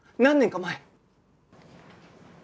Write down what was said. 何年か前。